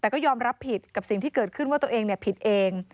แต่ก็ยอมรับผิดกับสิ่งที่เกิดขึ้นว่าตัวเองผิดเอง